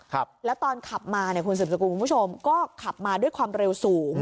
ครับแล้วตอนขับมาเนี่ยคุณสืบสกุลคุณผู้ชมก็ขับมาด้วยความเร็วสูง